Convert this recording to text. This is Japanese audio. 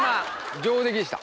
上出来でした？